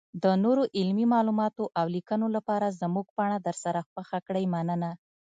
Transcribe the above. -دنورو علمي معلوماتو اولیکنو لپاره زمونږ پاڼه درسره خوښه کړئ مننه.